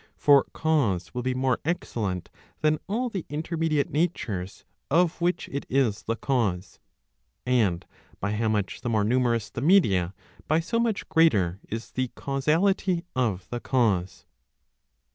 For cause will be more excellent than all the intermediate natures of which it is the cause. And by how much the more numerous the media, by so much greater is the causality of the cause.